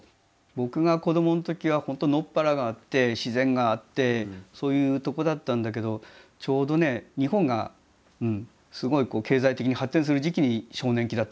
僕が子どものときは本当野っ原があって自然があってそういうとこだったんだけどちょうどね日本がすごい経済的に発展する時期に少年期だったのね。